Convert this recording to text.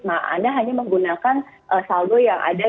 nah anda hanya menggunakan saldo yang ada